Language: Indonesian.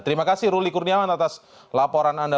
terima kasih ruli kurniawan atas laporan anda